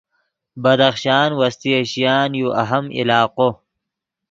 بدخشان وسطی ایشیان یو اہم علاقو